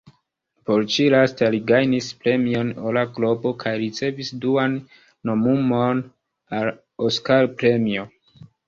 Por ĉi-lasta, li gajnis Premion Ora Globo kaj ricevis duan nomumon al Oskar-premio.